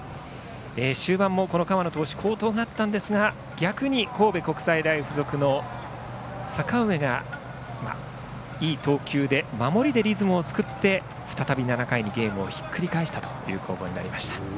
終盤も河野投手は好投があったんですが逆に神戸国際大付属の阪上がいい投球で守りでリズムで作って再び７回にゲームをひっくり返したという攻防でした。